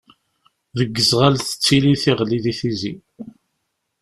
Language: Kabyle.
Deg uzɣal tettili tiɣli di Tizi.